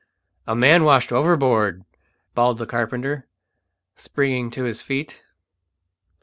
"A man washed overboard!" bawled the carpenter, springing to his feet.